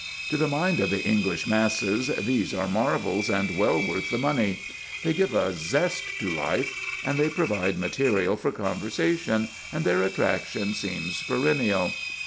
To the mind of the English masses these are marvels and well worth the money. They give a zest to life, they provide material for conversation, and their attraction seems perennial.